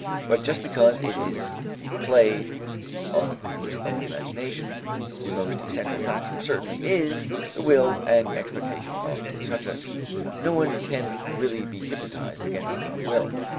But just because it is the play of his own imagination, the most essential factor certainly is the will and expectation of the subject. No one can really be hypnotized against his own will.